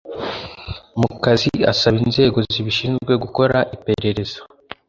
Mu kazi asaba inzego zibishinzwe gukora iperereza